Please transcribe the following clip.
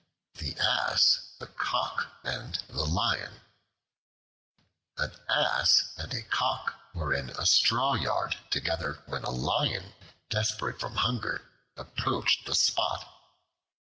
The Ass, the Cock, and the Lion AN ASS and a Cock were in a straw yard together when a Lion, desperate from hunger, approached the spot.